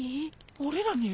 俺らに？